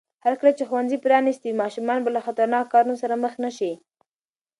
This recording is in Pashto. هرکله چې ښوونځي پرانیستي وي، ماشومان به له خطرناکو کارونو سره مخ نه شي.